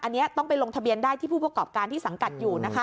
อันนี้ต้องไปลงทะเบียนได้ที่ผู้ประกอบการที่สังกัดอยู่นะคะ